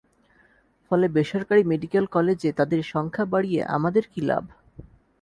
ফলে বেসরকারি মেডিকেল কলেজে তাঁদের সংখ্যা বাড়িয়ে আমাদের কী লাভ?